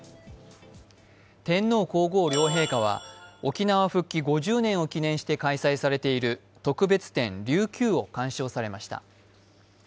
天皇・皇后両陛下は沖縄復帰５０年を記念して開催されている特別展「琉球」を鑑賞されました。